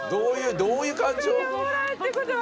どういう感情？